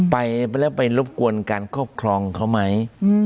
ไปแล้วไปรบกวนการครอบครองเขาไหม